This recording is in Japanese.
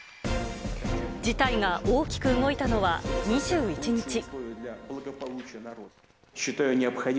事態が大きく動いたのは２１日。